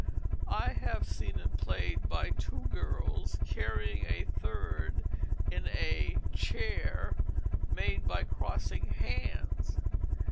I have seen it played by two girls carrying a third in a "chair" made by crossing hands.